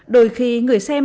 đôi khi người xem